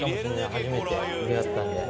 初めて出合ったんで。